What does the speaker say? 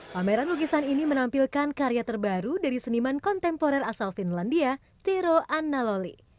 pameran lukisan ini menampilkan karya terbaru dari seniman kontemporer asal finlandia tero analoli